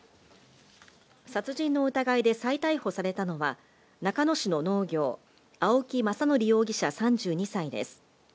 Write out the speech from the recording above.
殺人の疑いで再逮捕されたのは、中野市の農業、青木政憲容疑者３２歳です。